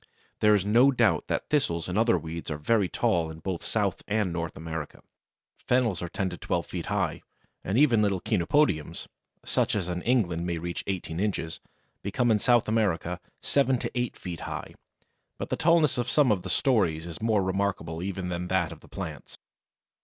There is no doubt that thistles and other weeds are very tall in both South and North America. Fennels are ten to twelve feet high, and even little Chenopodiums (such as in England may reach eighteen inches), become in South America seven to eight feet high, but the tallness of some of the stories is more remarkable even than that of the plants!